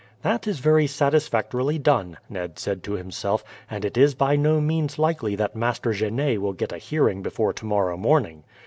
"That is very satisfactorily done," Ned said to himself, "and it is by no means likely that Master Genet will get a hearing before tomorrow morning.